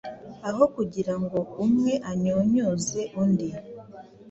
aho kugirango umwe anyunyuze undi